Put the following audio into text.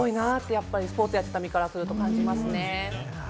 やっぱりスポーツしていた身からすると感じますね。